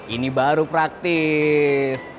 ini baru praktis